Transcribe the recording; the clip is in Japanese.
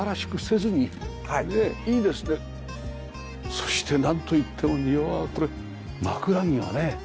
そしてなんといっても庭はこれ枕木がね。